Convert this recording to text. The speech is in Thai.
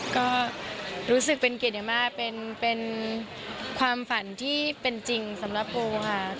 ก็รู้สึกเป็นเกียรติอย่างมากเป็นความฝันที่เป็นจริงสำหรับปูค่ะ